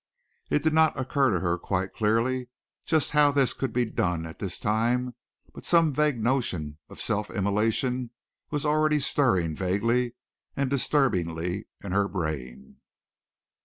It did not occur to her quite clearly just how this could be done at this time but some vague notion of self immolation was already stirring vaguely and disturbingly in her brain.